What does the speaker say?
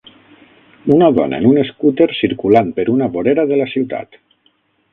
Una dona en un escúter circulant per una vorera de la ciutat.